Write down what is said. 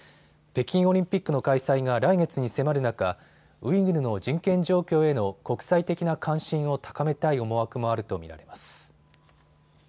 北京オリンピックの開催が来月に迫る中、ウイグルの人権状況への国際的な関心を高めたい思惑もあると見られます。